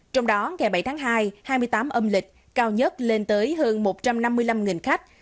trong đó ngày bảy tháng hai hai mươi tám âm lịch cao nhất lên tới hơn một trăm năm mươi năm khách